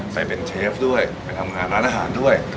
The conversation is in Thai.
ไปเป็นเชฟด้วยไปทำงานร้านอาหารด้วย